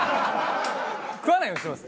食わないようにしてます。